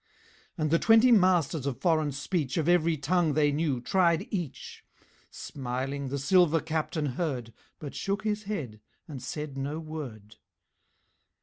And the twenty masters of foreign speech Of every tongue they knew tried each; Smiling, the silver Captain heard, But shook his head and said no word.